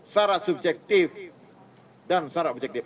syarat subjektif dan syarat objektif